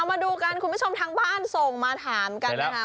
มาดูกันคุณผู้ชมทางบ้านส่งมาถามกันนะคะ